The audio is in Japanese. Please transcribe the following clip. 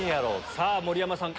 さぁ盛山さん